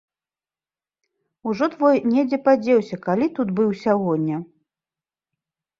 Ужо твой не дзе падзеўся, калі тут быў сягоння.